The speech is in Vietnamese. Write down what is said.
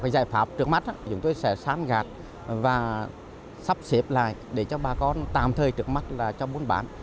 giải pháp trước mắt chúng tôi sẽ sán gạt và sắp xếp lại để cho bà con tạm thời trước mắt là cho buôn bán